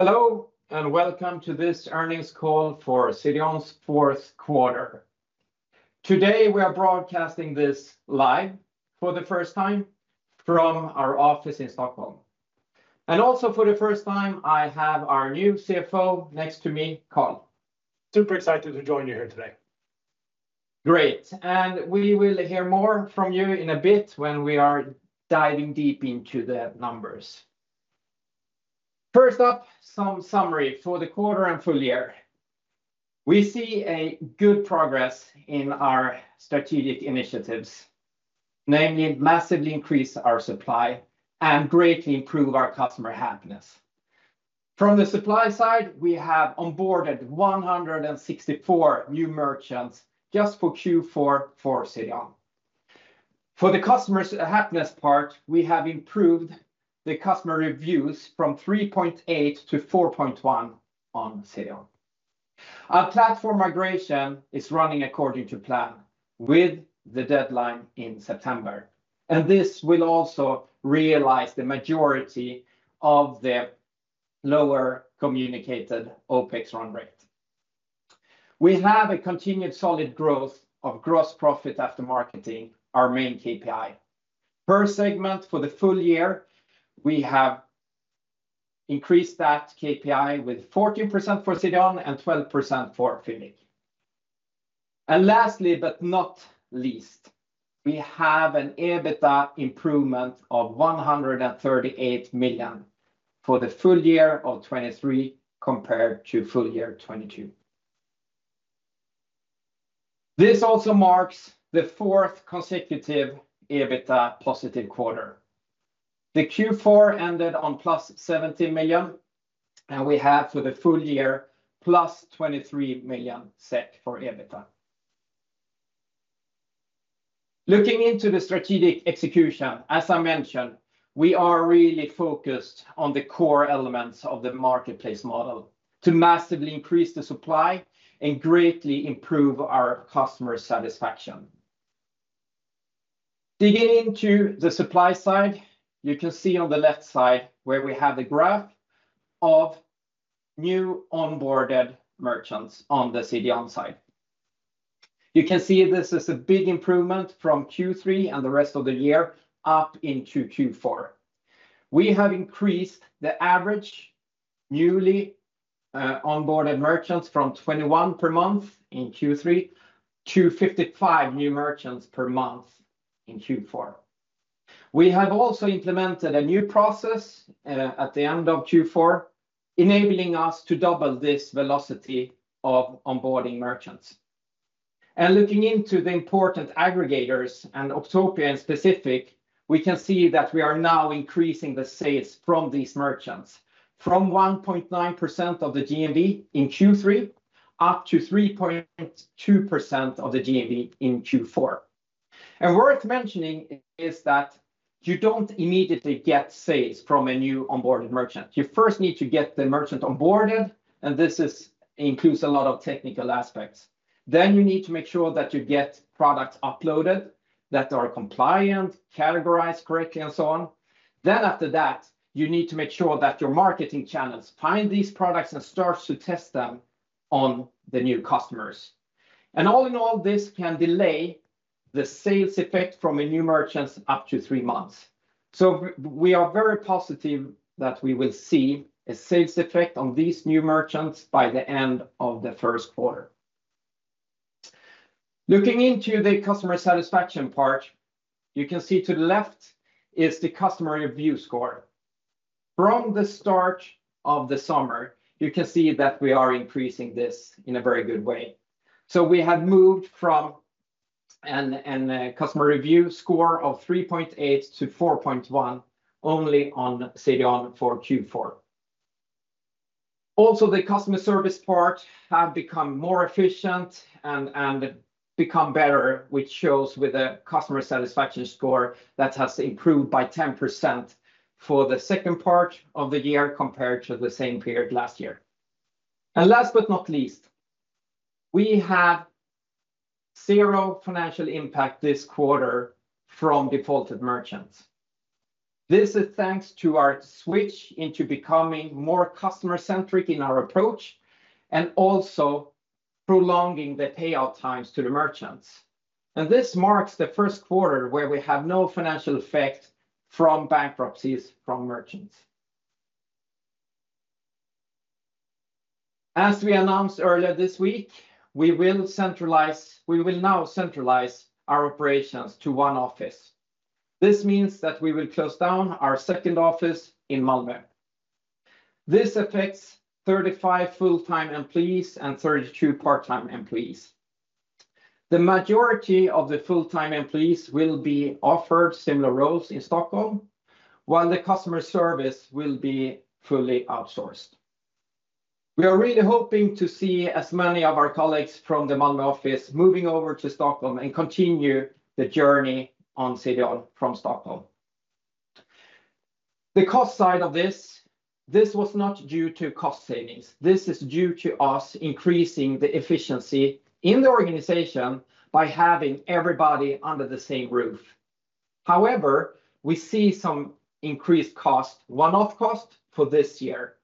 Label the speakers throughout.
Speaker 1: Hello and welcome to this earnings call for CDON's fourth quarter. Today we are broadcasting this live for the first time from our office in Stockholm, and also for the first time I have our new CFO next to me, Carl.
Speaker 2: Super excited to join you here today.
Speaker 1: Great, and we will hear more from you in a bit when we are diving deep into the numbers. First up, some summary for the quarter and full year. We see a good progress in our strategic initiatives, namely massively increase our supply and greatly improve our customer happiness. From the supply side, we have onboarded 164 new merchants just for Q4 for CDON. For the customer happiness part, we have improved the customer reviews from 3.8 to 4.1 on CDON. Our platform migration is running according to plan with the deadline in September, and this will also realize the majority of the lower communicated OPEX run rate. We have a continued solid growth of gross profit after marketing, our main KPI. Per segment for the full year, we have increased that KPI with 14% for CDON and 12% for Fyndiq. And lastly but not least, we have an EBITDA improvement of 138 million for the full year of 2023 compared to full year 2022. This also marks the fourth consecutive EBITDA positive quarter. The Q4 ended on +17 million, and we have for the full year +23 million set for EBITDA. Looking into the strategic execution, as I mentioned, we are really focused on the core elements of the marketplace model to massively increase the supply and greatly improve our customer satisfaction. Digging into the supply side, you can see on the left side where we have the graph of new onboarded merchants on the CDON side. You can see this is a big improvement from Q3 and the rest of the year up into Q4. We have increased the average newly onboarded merchants from 21 per month in Q3 to 55 new merchants per month in Q4. We have also implemented a new process at the end of Q4, enabling us to double this velocity of onboarding merchants. Looking into the important aggregators and Octopia in specific, we can see that we are now increasing the sales from these merchants from 1.9% of the GMV in Q3 up to 3.2% of the GMV in Q4. Worth mentioning is that you don't immediately get sales from a new onboarded merchant. You first need to get the merchant onboarded, and this includes a lot of technical aspects. Then you need to make sure that you get products uploaded that are compliant, categorized correctly, and so on. Then after that, you need to make sure that your marketing channels find these products and start to test them on the new customers. All in all, this can delay the sales effect from a new merchant up to three months. We are very positive that we will see a sales effect on these new merchants by the end of the first quarter. Looking into the customer satisfaction part, you can see to the left is the customer review score. From the start of the summer, you can see that we are increasing this in a very good way. We have moved from a customer review score of 3.8 to 4.1 only on CDON for Q4. Also, the customer service part has become more efficient and become better, which shows with a customer satisfaction score that has improved by 10% for the second part of the year compared to the same period last year. Last but not least, we have zero financial impact this quarter from defaulted merchants. This is thanks to our switch into becoming more customer-centric in our approach and also prolonging the payout times to the merchants. This marks the first quarter where we have no financial effect from bankruptcies from merchants. As we announced earlier this week, we will now centralize our operations to one office. This means that we will close down our second office in Malmö. This affects 35 full-time employees and 32 part-time employees. The majority of the full-time employees will be offered similar roles in Stockholm, while the customer service will be fully outsourced. We are really hoping to see as many of our colleagues from the Malmö office moving over to Stockholm and continue the journey on CDON from Stockholm. The cost side of this, this was not due to cost savings. This is due to us increasing the efficiency in the organization by having everybody under the same roof. However, we see some increased cost, one-off cost for this year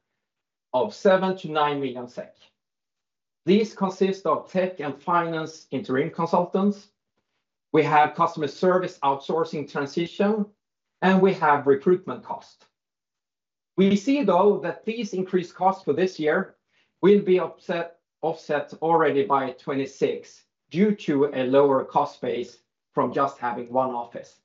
Speaker 1: of 7 million-9 million SEK. These consist of tech and finance interim consultants. We have customer service outsourcing transition, and we have recruitment cost. We see, though, that these increased costs for this year will be offset already by 2026 due to a lower cost base from just having one office.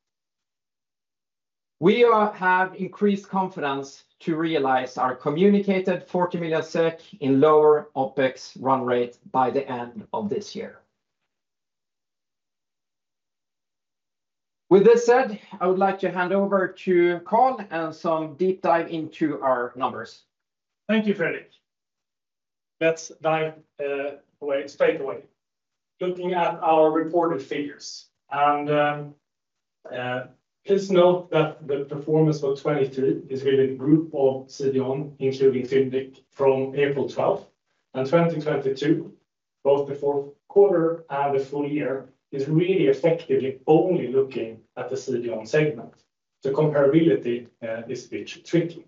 Speaker 1: We have increased confidence to realize our communicated 40 million SEK in lower OPEX run rate by the end of this year. With this said, I would like to hand over to Carl and some deep dive into our numbers.
Speaker 2: Thank you, Fredrik. Let's dive straight away, looking at our reported figures. Please note that the performance for 2023 is within the group of CDON, including Fyndiq, from April 12th and 2022, both the fourth quarter and the full year, is really effectively only looking at the CDON segment. The comparability is a bit tricky.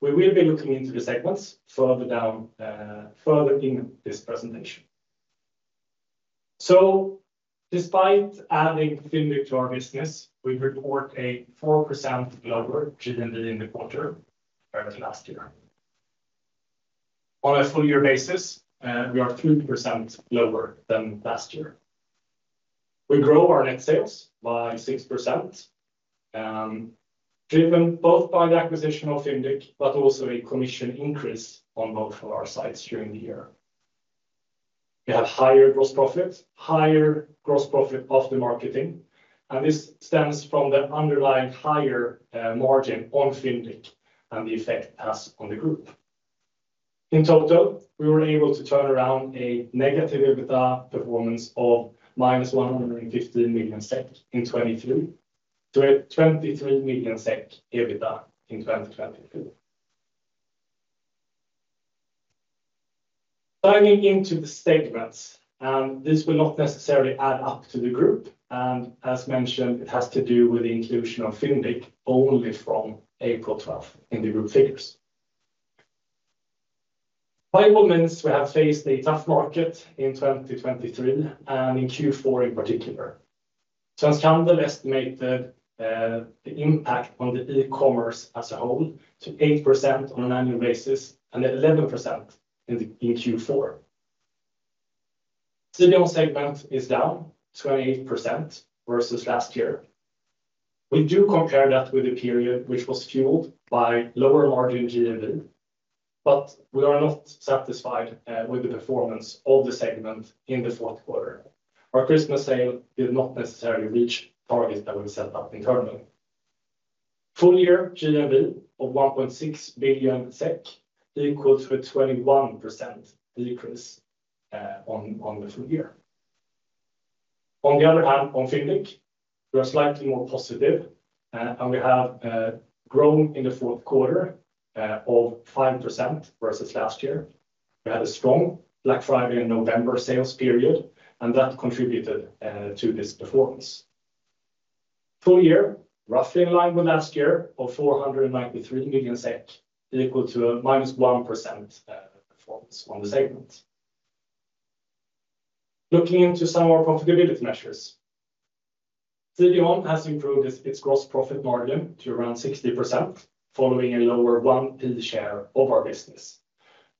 Speaker 2: We will be looking into the segments further in this presentation. Despite adding Fyndiq to our business, we report a 4% lower GMV in the quarter compared to last year. On a full-year basis, we are 3% lower than last year. We grow our net sales by 6%, driven both by the acquisition of Fyndiq, but also a commission increase on both of our sites during the year. We have higher gross profit, higher gross profit after marketing, and this stems from the underlying higher margin on Fyndiq and the effect it has on the group. In total, we were able to turn around a negative EBITDA performance of -115 million SEK in 2023 to a 23 million SEK EBITDA in 2022. Diving into the segments, and this will not necessarily add up to the group. As mentioned, it has to do with the inclusion of Fyndiq only from April 12th in the group figures. By all means, we have faced a tough market in 2023 and in Q4 in particular. Svensk Handel estimated the impact on the e-commerce as a whole to 8% on an annual basis and 11% in Q4. CDON segment is down 28% versus last year. We do compare that with a period which was fueled by lower margin GMV, but we are not satisfied with the performance of the segment in the fourth quarter. Our Christmas sale did not necessarily reach targets that we set up internally. Full-year GMV of SEK 1.6 billion equals a 21% decrease on the full year. On the other hand, on Fyndiq, we are slightly more positive, and we have grown in the fourth quarter of 5% versus last year. We had a strong Black Friday and November sales period, and that contributed to this performance. Full year, roughly in line with last year of 493 million SEK, equals a -1% performance on the segment. Looking into some of our profitability measures, CDON has improved its gross profit margin to around 60% following a lower 1P share of our business,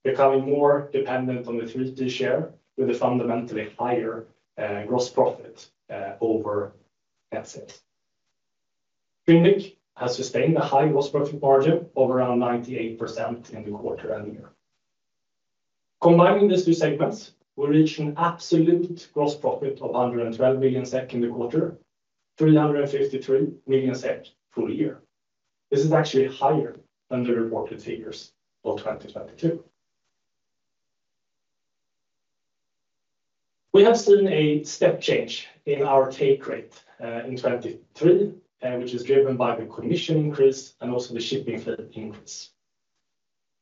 Speaker 2: becoming more dependent on the 3P share with a fundamentally higher gross profit over net sales. Fyndiq has sustained a high gross profit margin of around 98% in the quarter and year. Combining these two segments, we reached an absolute gross profit of 112 million SEK in the quarter, 353 million SEK full year. This is actually higher than the reported figures of 2022. We have seen a step change in our take rate in 2023, which is driven by the commission increase and also the shipping fee increase.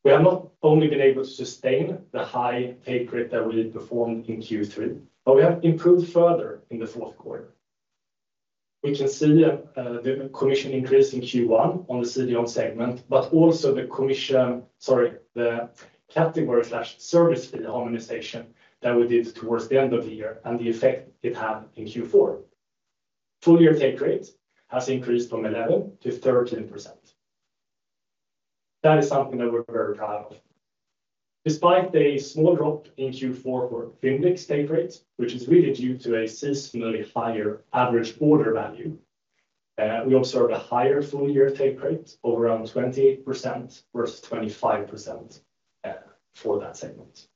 Speaker 2: We have not only been able to sustain the high take rate that we performed in Q3, but we have improved further in the fourth quarter. We can see the commission increase in Q1 on the CDON segment, but also the category/service fee harmonization that we did towards the end of the year and the effect it had in Q4. Full-year take rate has increased from 11% to 13%. That is something that we're very proud of. Despite a small drop in Q4 for Fyndiq's take rate, which is really due to a seasonally higher average order value, we observed a higher full-year take rate of around 28% versus 25% for that segment.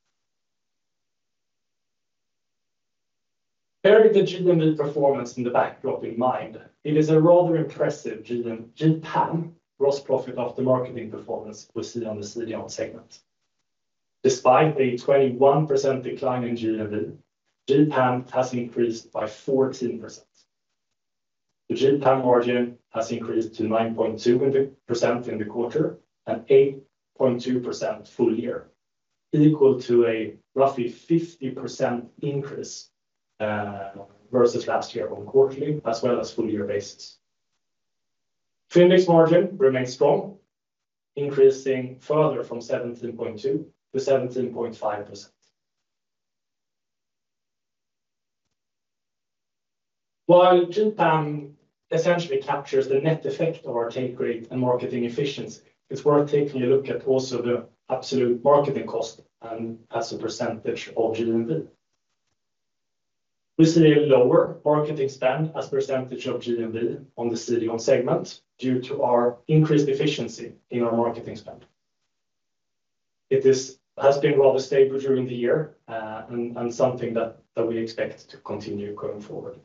Speaker 2: Bearing the GMV performance in the backdrop in mind, it is a rather impressive GPAM gross profit after marketing performance we see on the CDON segment. Despite a 21% decline in GMV, GPAM has increased by 14%. The GPAM margin has increased to 9.2% in the quarter and 8.2% full year, equal to a roughly 50% increase versus last year on quarterly as well as full-year basis. Fyndiq's margin remains strong, increasing further from 17.2%-17.5%. While GPAM essentially captures the net effect of our take rate and marketing efficiency, it's worth taking a look at also the absolute marketing cost as a percentage of GMV. We see a lower marketing spend as a percentage of GMV on the CDON segment due to our increased efficiency in our marketing spend. It has been rather stable during the year and something that we expect to continue going forward.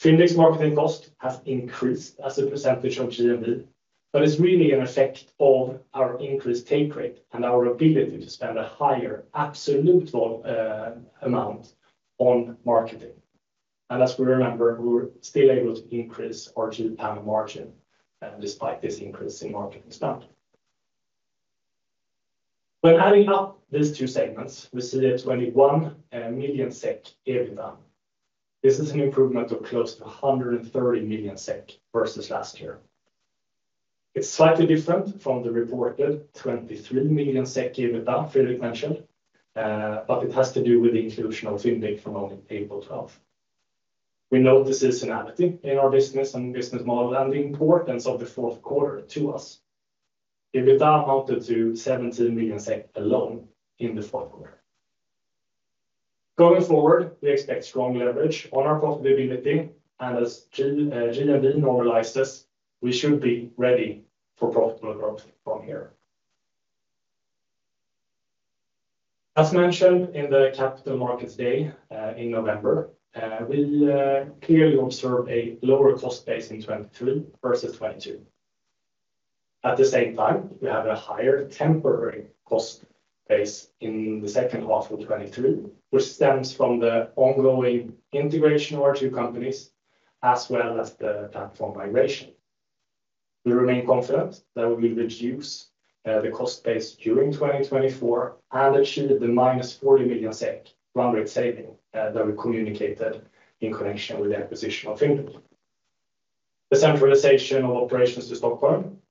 Speaker 2: Fyndiq's marketing cost has increased as a percentage of GMV, but it's really an effect of our increased take rate and our ability to spend a higher absolute amount on marketing. As we remember, we're still able to increase our GPAM margin despite this increase in marketing spend. When adding up these two segments, we see 21 million SEK EBITDA. This is an improvement of close to 130 million SEK versus last year. It's slightly different from the reported 23 million SEK EBITDA Fredrik mentioned, but it has to do with the inclusion of Fyndiq from only April 12th. We note this seasonality in our business and business model and the importance of the fourth quarter to us. EBITDA amounted to SEK 17 million alone in the fourth quarter. Going forward, we expect strong leverage on our profitability, and as GMV normalizes, we should be ready for profitable growth from here. As mentioned in the Capital Markets Day in November, we clearly observed a lower cost base in 2023 versus 2022. At the same time, we have a higher temporary cost base in the second half of 2023, which stems from the ongoing integration of our two companies as well as the platform migration. We remain confident that we will reduce the cost base during 2024 and achieve the -40 million run rate saving that we communicated in connection with the acquisition of Fyndiq. The centralization of operations to Stockholm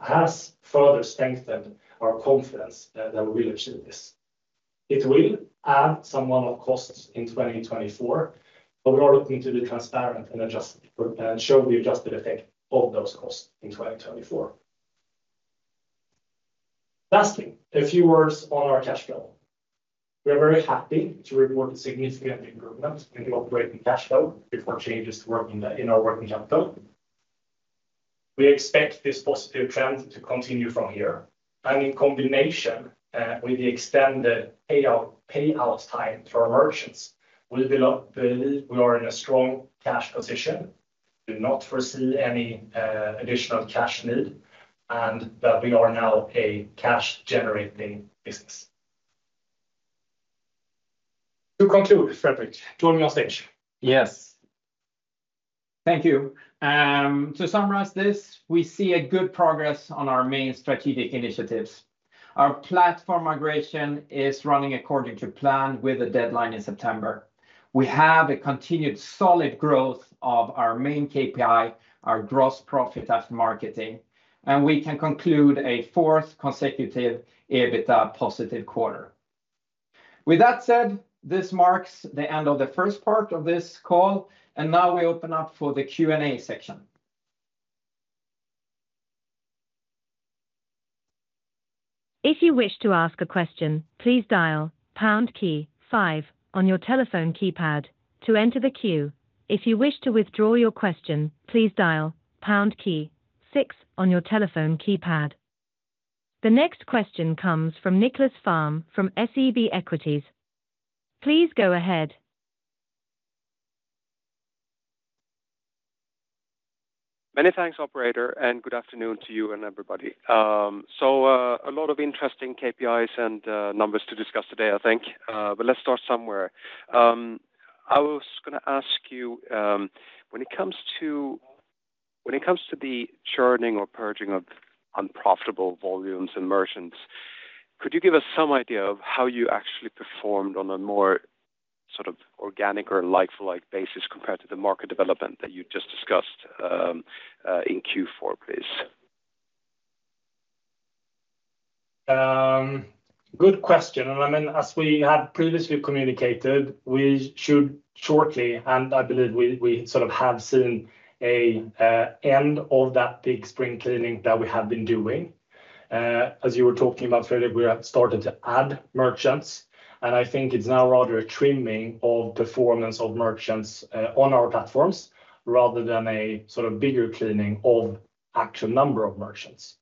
Speaker 2: has further strengthened our confidence that we will achieve this. It will add some one-off costs in 2024, but we are looking to be transparent and show the adjusted effect of those costs in 2024. Lastly, a few words on our cash flow. We are very happy to report a significant improvement in the operating cash flow before changes to work in our working capital. We expect this positive trend to continue from here. In combination with the extended payout time for merchants, we believe we are in a strong cash position, do not foresee any additional cash need, and that we are now a cash-generating business. To conclude, Fredrik, join me on stage.
Speaker 1: Yes. Thank you. To summarize this, we see good progress on our main strategic initiatives. Our platform migration is running according to plan with a deadline in September. We have continued solid growth of our main KPI, our gross profit after marketing, and we can conclude a fourth consecutive EBITDA positive quarter. With that said, this marks the end of the first part of this call, and now we open up for the Q&A section.
Speaker 3: If you wish to ask a question, please dial pound key five on your telephone keypad to enter the queue. If you wish to withdraw your question, please dial pound key six on your telephone keypad. The next question comes from Nicklas Fhärm from SEB Equities. Please go ahead.
Speaker 4: Many thanks, operator, and good afternoon to you and everybody. A lot of interesting KPIs and numbers to discuss today, I think. Let's start somewhere. I was going to ask you, when it comes to the churning or purging of unprofitable volumes and merchants, could you give us some idea of how you actually performed on a more sort of organic or lifelike basis compared to the market development that you just discussed in Q4, please?
Speaker 2: Good question. And I mean, as we had previously communicated, we should shortly, and I believe we sort of have seen an end of that big spring cleaning that we have been doing. As you were talking about, Fredrik, we have started to add merchants. And I think it's now rather a trimming of performance of merchants on our platforms rather than a sort of bigger cleaning of actual number of merchants.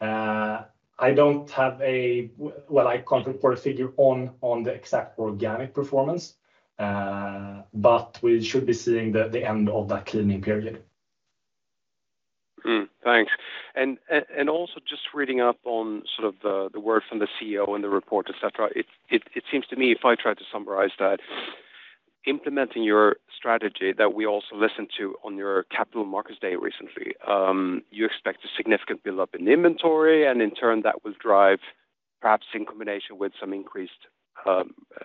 Speaker 2: I don't have a, well, I can't report a figure on the exact organic performance, but we should be seeing the end of that cleaning period.
Speaker 4: Thanks. And also just reading up on sort of the word from the CEO in the report, etc., it seems to me, if I try to summarize that, implementing your strategy that we also listened to on your Capital Markets Day recently, you expect a significant buildup in inventory, and in turn, that will drive perhaps in combination with some increased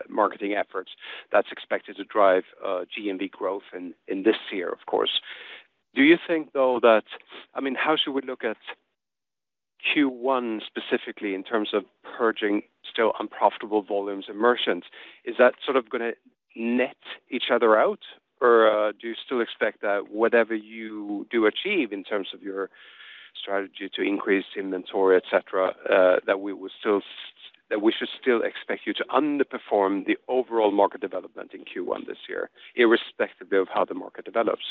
Speaker 4: marketing efforts that's expected to drive GMV growth in this year, of course. Do you think, though, that I mean, how should we look at Q1 specifically in terms of purging still unprofitable volumes and merchants? Is that sort of going to net each other out, or do you still expect that whatever you do achieve in terms of your strategy to increase inventory, etc., that we should still expect you to underperform the overall market development in Q1 this year, irrespective of how the market develops?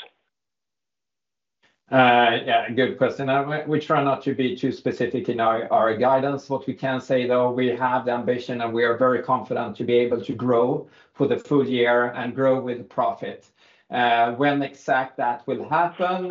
Speaker 2: Yeah, good question. We try not to be too specific in our guidance. What we can say, though, we have the ambition, and we are very confident to be able to grow for the full year and grow with profit. When exact that will happen?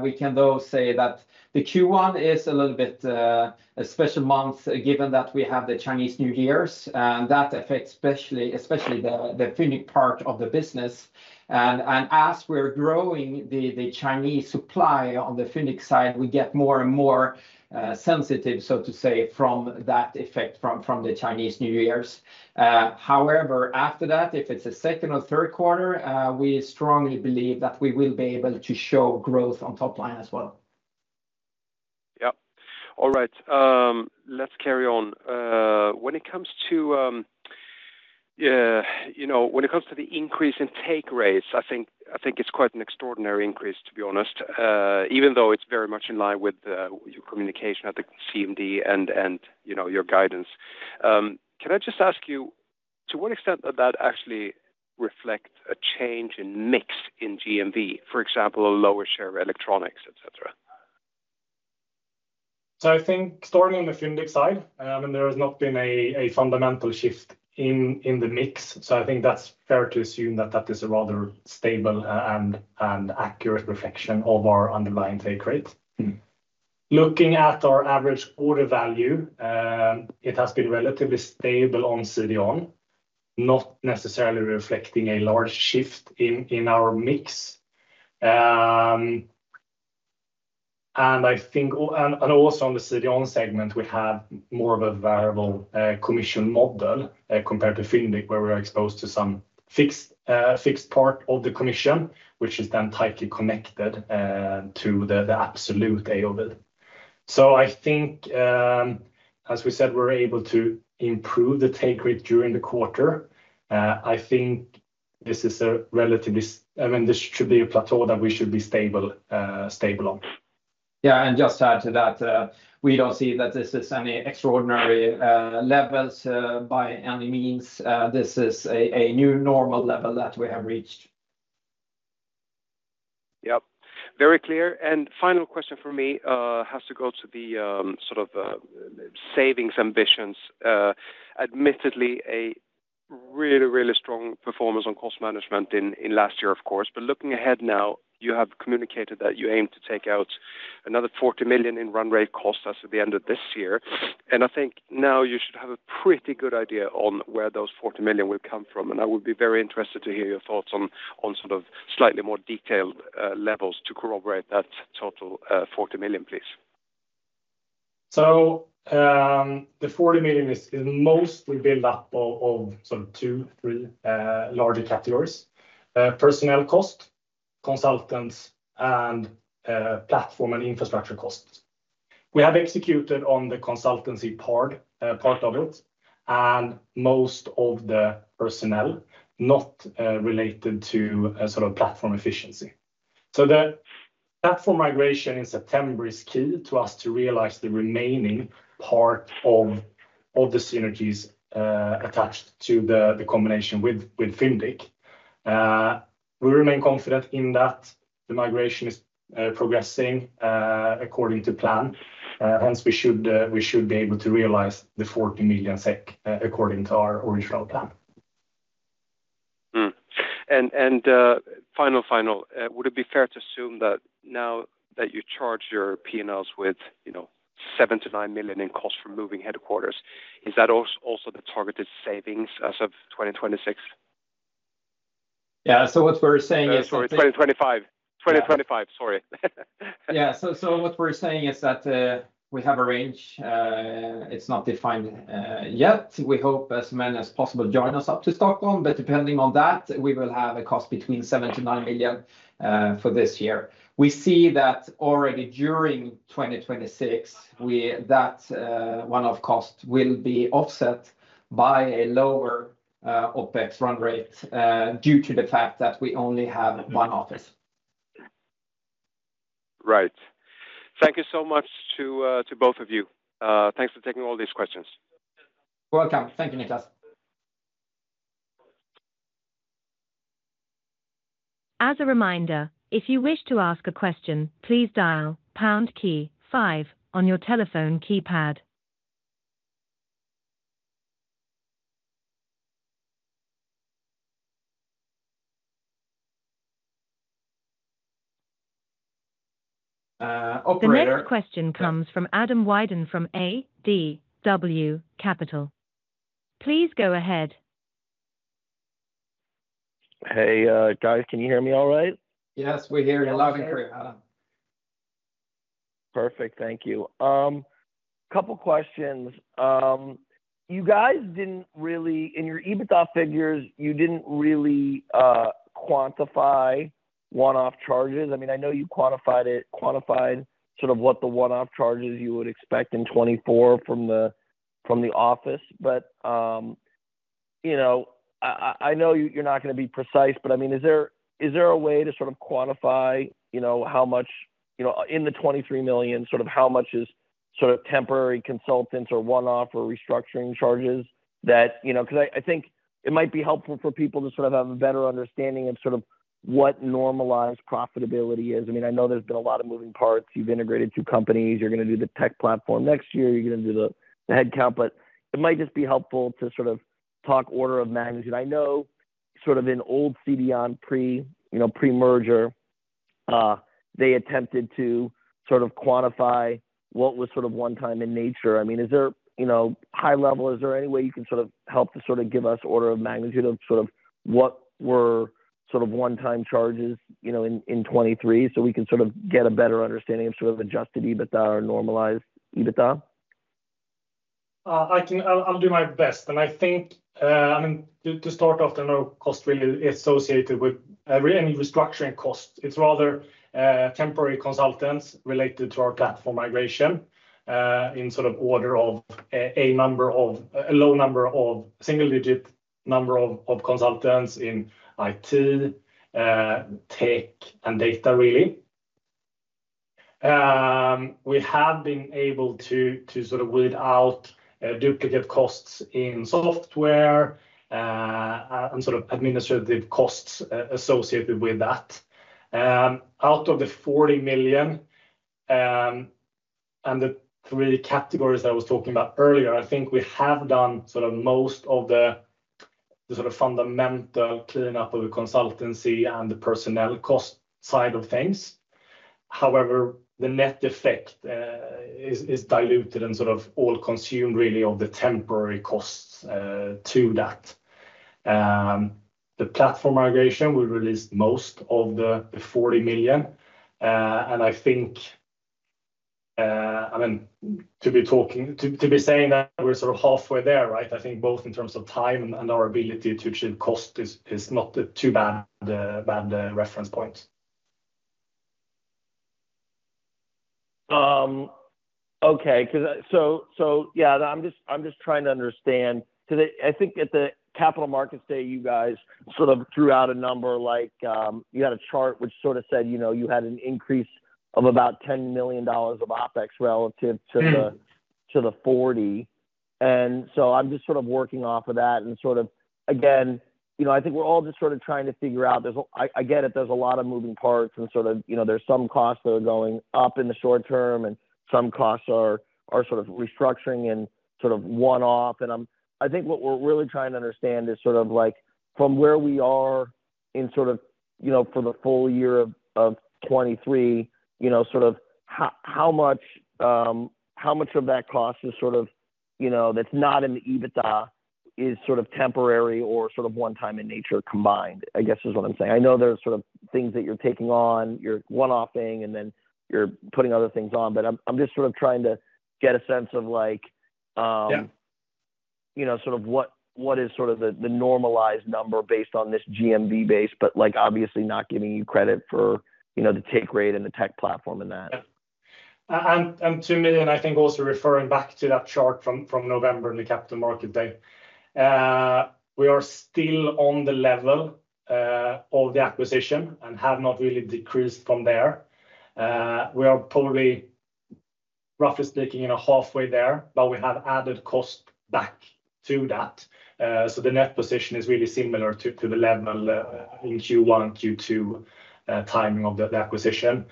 Speaker 2: We can, though, say that the Q1 is a little bit a special month given that we have the Chinese New Year's, and that affects especially the Fyndiq part of the business. And as we're growing the Chinese supply on the Fyndiq side, we get more and more sensitive, so to say, from that effect from the Chinese New Year's. However, after that, if it's the second or third quarter, we strongly believe that we will be able to show growth on top line as well.
Speaker 4: Yeah. All right. Let's carry on. When it comes to the increase in take rates, I think it's quite an extraordinary increase, to be honest, even though it's very much in line with your communication at the CMD and your guidance. Can I just ask you, to what extent does that actually reflect a change in mix in GMV, for example, a lower share of electronics, etc.?
Speaker 2: So I think starting on the Fyndiq side, I mean, there has not been a fundamental shift in the mix. So I think that's fair to assume that that is a rather stable and accurate reflection of our underlying take rate. Looking at our average order value, it has been relatively stable on CDON, not necessarily reflecting a large shift in our mix. And also on the CDON segment, we have more of a variable commission model compared to Fyndiq, where we are exposed to some fixed part of the commission, which is then tightly connected to the absolute AOV. So I think, as we said, we're able to improve the take rate during the quarter. I think this is a relatively I mean, this should be a plateau that we should be stable on.
Speaker 1: Yeah. And just add to that, we don't see that this is any extraordinary levels by any means. This is a new normal level that we have reached.
Speaker 4: Yep. Very clear. And final question for me has to go to the sort of savings ambitions. Admittedly, a really, really strong performance on cost management in last year, of course. But looking ahead now, you have communicated that you aim to take out another 40 million in run rate costs as of the end of this year. And I think now you should have a pretty good idea on where those 40 million will come from. And I would be very interested to hear your thoughts on sort of slightly more detailed levels to corroborate that total 40 million, please.
Speaker 2: So the 40 million is mostly built up of sort of two, three larger categories: personnel cost, consultants, and platform and infrastructure costs. We have executed on the consultancy part of it and most of the personnel, not related to sort of platform efficiency. So the platform migration in September is key to us to realize the remaining part of the synergies attached to the combination with Fyndiq. We remain confident in that the migration is progressing according to plan. Hence, we should be able to realize the 40 million SEK according to our original plan.
Speaker 4: Final, final, would it be fair to assume that now that you charge your P&Ls with 7 million-9 million in costs for moving headquarters, is that also the targeted savings as of 2026?
Speaker 2: Yeah. So what we're saying is.
Speaker 4: Sorry, 2025. 2025. Sorry.
Speaker 2: Yeah. So what we're saying is that we have a range. It's not defined yet. We hope as many as possible join us up to Stockholm. But depending on that, we will have a cost between 7 million-9 million for this year. We see that already during 2026, that one-off cost will be offset by a lower OPEX run rate due to the fact that we only have one office.
Speaker 4: Right. Thank you so much to both of you. Thanks for taking all these questions.
Speaker 2: Welcome. Thank you, Nicklas.
Speaker 3: As a reminder, if you wish to ask a question, please dial pound key 5 on your telephone keypad. The next question comes from Adam Wyden from ADW Capital. Please go ahead.
Speaker 5: Hey, guys, can you hear me all right?
Speaker 2: Yes, we hear you loud and clear, Adam.
Speaker 5: Perfect. Thank you. Couple of questions. You guys didn't really in your EBITDA figures, you didn't really quantify one-off charges. I mean, I know you quantified sort of what the one-off charges you would expect in 2024 from the office, but I know you're not going to be precise, but I mean, is there a way to sort of quantify how much in the 23 million, sort of how much is sort of temporary consultants or one-off or restructuring charges that because I think it might be helpful for people to sort of have a better understanding of sort of what normalized profitability is. I mean, I know there's been a lot of moving parts. You've integrated two companies. You're going to do the tech platform next year. You're going to do the headcount. But it might just be helpful to sort of talk order of magnitude. I know sort of in old CDON pre-merger, they attempted to sort of quantify what was sort of one-time in nature. I mean, is there high-level, is there any way you can sort of help to sort of give us order of magnitude of sort of what were sort of one-time charges in 2023 so we can sort of get a better understanding of sort of adjusted EBITDA or normalized EBITDA?
Speaker 2: I'll do my best. I think, I mean, to start off, there's no cost really associated with any restructuring cost. It's rather temporary consultants related to our platform migration in sort of order of a number of a low number of single-digit number of consultants in IT, tech, and data, really. We have been able to sort of weed out duplicate costs in software and sort of administrative costs associated with that. Out of the 40 million and the three categories that I was talking about earlier, I think we have done sort of most of the sort of fundamental cleanup of the consultancy and the personnel cost side of things. However, the net effect is diluted and sort of all-consumed, really, of the temporary costs to that. The platform migration, we released most of the 40 million. I think, I mean, to be talking to be saying that we're sort of halfway there, right? I think both in terms of time and our ability to achieve cost is not too bad reference point.
Speaker 5: Okay. So yeah, I'm just trying to understand because I think at the Capital Markets Day, you guys sort of threw out a number like you had a chart which sort of said you had an increase of about $10 million of OPEX relative to the 40. And so I'm just sort of working off of that. And sort of, again, I think we're all just sort of trying to figure out. I get it. There's a lot of moving parts. And sort of there's some costs that are going up in the short term, and some costs are sort of restructuring and sort of one-off. I think what we're really trying to understand is sort of from where we are in sort of for the full year of 2023, sort of how much of that cost is sort of that's not in the EBITDA is sort of temporary or sort of one-time in nature combined, I guess, is what I'm saying. I know there's sort of things that you're taking on, you're one-offing, and then you're putting other things on. But I'm just sort of trying to get a sense of sort of what is sort of the normalized number based on this GMV base, but obviously not giving you credit for the take rate and the tech platform and that.
Speaker 2: Yeah. And to me, and I think also referring back to that chart from November in the Capital Markets Day, we are still on the level of the acquisition and have not really decreased from there. We are probably, roughly speaking, halfway there, but we have added cost back to that. So the net position is really similar to the level in Q1, Q2 timing of the acquisition.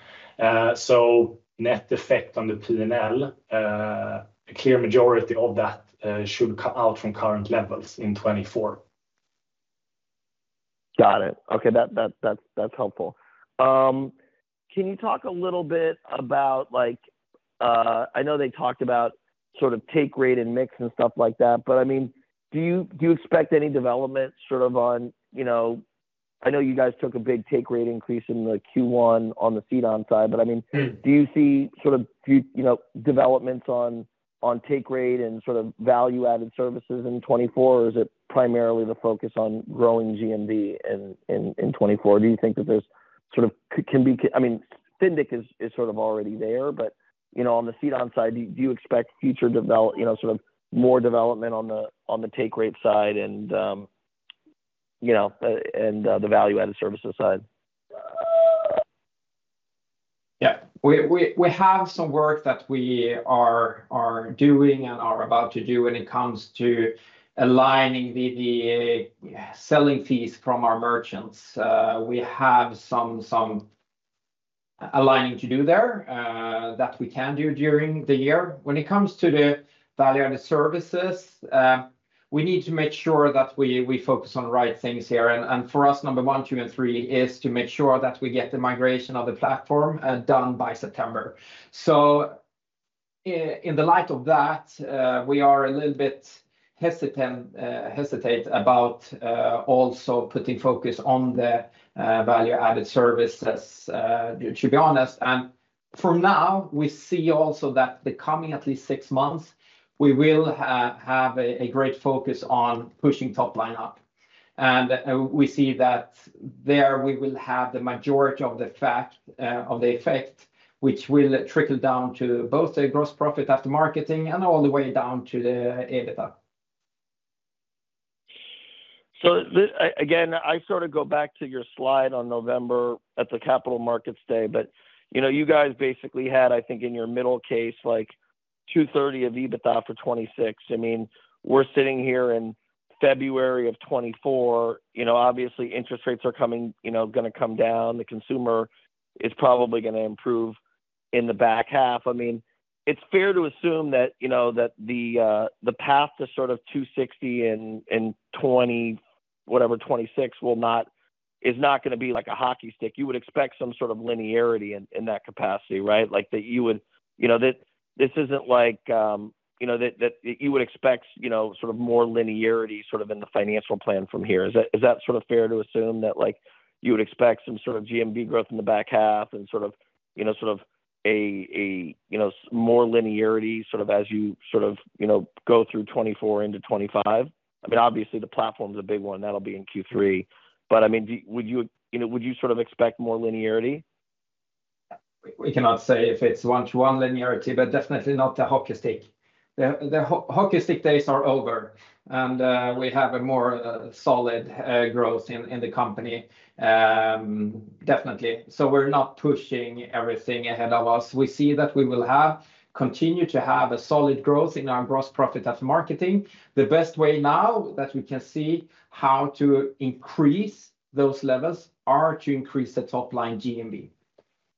Speaker 2: So net effect on the P&L, a clear majority of that should come out from current levels in 2024.
Speaker 5: Got it. Okay. That's helpful. Can you talk a little bit about? I know they talked about sort of take rate and mix and stuff like that, but I mean, do you expect any development sort of on? I know you guys took a big take rate increase in Q1 on the CDON side, but I mean, do you see sort of developments on take rate and sort of value-added services in 2024, or is it primarily the focus on growing GMV in 2024? Do you think that there's sort of can be? I mean, Fyndiq is sort of already there, but on the CDON side, do you expect future sort of more development on the take rate side and the value-added services side?
Speaker 2: Yeah. We have some work that we are doing and are about to do when it comes to aligning the selling fees from our merchants. We have some aligning to do there that we can do during the year. When it comes to the value-added services, we need to make sure that we focus on the right things here. And for us, number one, two, and three is to make sure that we get the migration of the platform done by September. So in the light of that, we are a little bit hesitate about also putting focus on the value-added services, to be honest. And for now, we see also that the coming at least six months, we will have a great focus on pushing top line up. We see that there, we will have the majority of the effect, which will trickle down to both the Gross Profit After Marketing and all the way down to the EBITDA.
Speaker 5: So again, I sort of go back to your slide on November at the Capital Markets Day, but you guys basically had, I think, in your middle case, like 230 million of EBITDA for 2026. I mean, we're sitting here in February of 2024. Obviously, interest rates are going to come down. The consumer is probably going to improve in the back half. I mean, it's fair to assume that the path to sort of 260 million in whatever, 2026 is not going to be like a hockey stick. You would expect some sort of linearity in that capacity, right? That you would this isn't like that you would expect sort of more linearity sort of in the financial plan from here. Is that sort of fair to assume that you would expect some sort of GMV growth in the back half and sort of sort of a more linearity sort of as you sort of go through 2024 into 2025? I mean, obviously, the platform's a big one. That'll be in Q3. But I mean, would you sort of expect more linearity?
Speaker 2: We cannot say if it's one-to-one linearity, but definitely not the hockey stick. The hockey stick days are over, and we have a more solid growth in the company, definitely. So we're not pushing everything ahead of us. We see that we will continue to have a solid growth in our gross profit after marketing. The best way now that we can see how to increase those levels are to increase the top line GMV.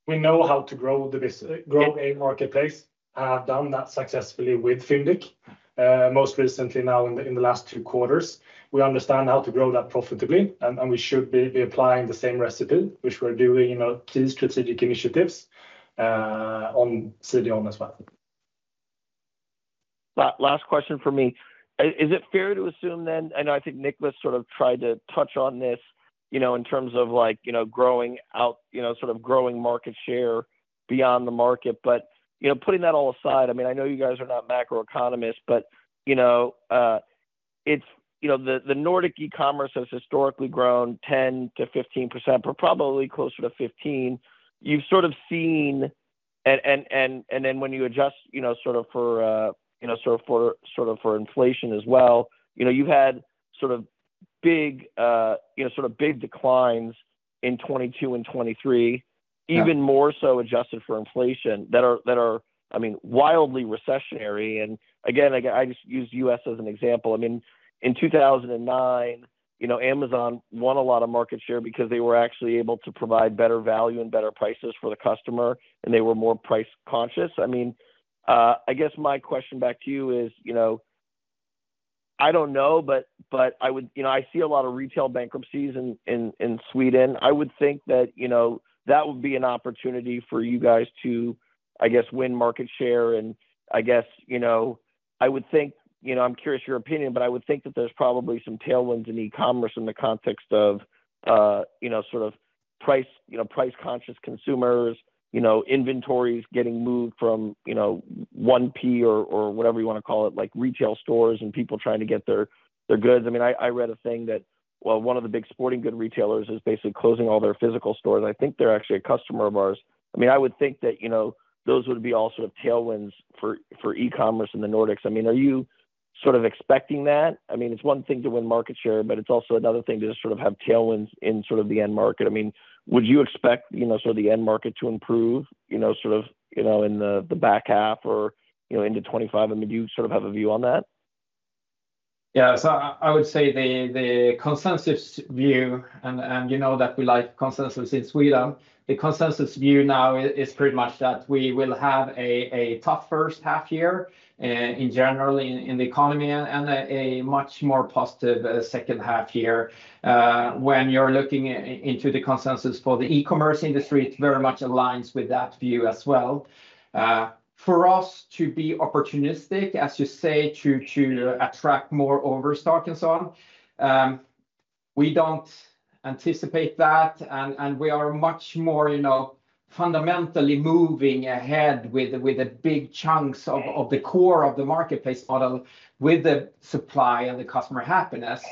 Speaker 1: We know how to grow a marketplace, have done that successfully with Fyndiq most recently now in the last two quarters. We understand how to grow that profitably, and we should be applying the same recipe, which we're doing key strategic initiatives on CDON as well.
Speaker 5: Last question for me. Is it fair to assume then? I know I think Nicklas sort of tried to touch on this in terms of growing out sort of growing market share beyond the market. But putting that all aside, I mean, I know you guys are not macroeconomists, but the Nordic e-commerce has historically grown 10%-15%, but probably closer to 15%. You've sort of seen and then when you adjust sort of for sort of for sort of for inflation as well, you've had sort of big sort of big declines in 2022 and 2023, even more so adjusted for inflation that are, I mean, wildly recessionary. And again, I just use the U.S. as an example. I mean, in 2009, Amazon won a lot of market share because they were actually able to provide better value and better prices for the customer, and they were more price-conscious. I mean, I guess my question back to you is I don't know, but I would I see a lot of retail bankruptcies in Sweden. I would think that that would be an opportunity for you guys to, I guess, win market share. And I guess I would think I'm curious your opinion, but I would think that there's probably some tailwinds in e-commerce in the context of sort of price-conscious consumers, inventories getting moved from 1P or whatever you want to call it, retail stores and people trying to get their goods. I mean, I read a thing that, well, one of the big sporting goods retailers is basically closing all their physical stores. I think they're actually a customer of ours. I mean, I would think that those would be all sort of tailwinds for e-commerce in the Nordics. I mean, are you sort of expecting that? I mean, it's one thing to win market share, but it's also another thing to just sort of have tailwinds in sort of the end market. I mean, would you expect sort of the end market to improve sort of in the back half or into 2025? I mean, do you sort of have a view on that?
Speaker 2: Yeah. I would say the consensus view, and you know that we like consensus in Sweden. The consensus view now is pretty much that we will have a tough first half year in general in the economy and a much more positive second half year. When you're looking into the consensus for the e-commerce industry, it very much aligns with that view as well. For us to be opportunistic, as you say, to attract more overstock and so on, we don't anticipate that. We are much more fundamentally moving ahead with the big chunks of the core of the marketplace model with the supply and the customer happiness.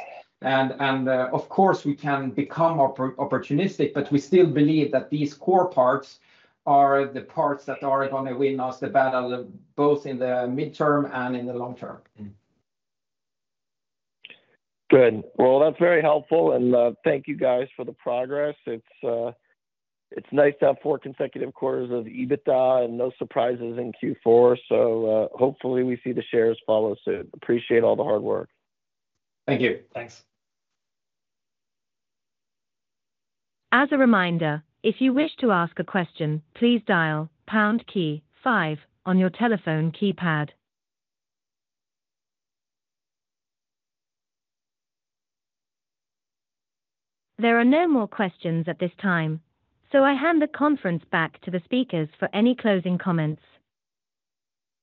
Speaker 2: Of course, we can become opportunistic, but we still believe that these core parts are the parts that are going to win us the battle both in the midterm and in the long term.
Speaker 5: Good. Well, that's very helpful. Thank you guys for the progress. It's nice to have four consecutive quarters of EBITDA and no surprises in Q4. Hopefully, we see the shares follow soon. Appreciate all the hard work.
Speaker 2: Thank you. Thanks.
Speaker 3: As a reminder, if you wish to ask a question, please dial pound key 5 on your telephone keypad. There are no more questions at this time, so I hand the conference back to the speakers for any closing comments.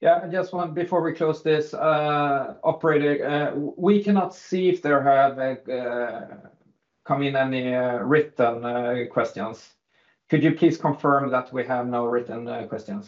Speaker 1: Yeah. Just one before we close this, operator. We cannot see if there have come in any written questions. Could you please confirm that we have no written questions?